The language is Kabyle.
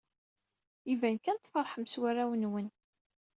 Iban kan tfeṛḥem s warraw-nwen.